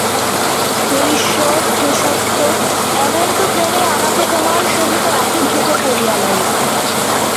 হে ঈশ্বর, হে সত্য, অনন্ত প্রেমে আমাকে তোমার সহিত একীভূত করিয়া লও।